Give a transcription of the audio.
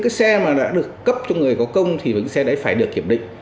cái xe mà đã được cấp cho người giao công thì cái xe đấy phải được kiểm định